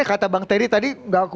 kata bang ferry tadi